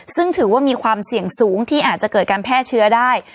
ซึ่งถือว่ามีความเสี่ยงสูงที่อาจจะเกิดการแพร่เชื้อได้